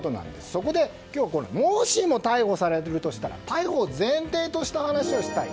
そこで、今日はもしも逮捕されるとしたら逮捕を前提とした話がしたい。